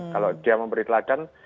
kalau dia memberi teladan